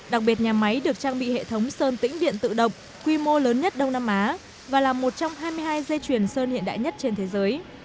đặc biệt nhà máy được trang bị hệ thống sơn tĩnh điện tự động quy mô lớn nhất đông nam á và là một trong hai mươi hai dây chuyền sơn hiện đại nhất trên thế giới